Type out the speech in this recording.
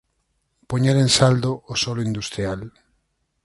Poñer en saldo o solo industrial.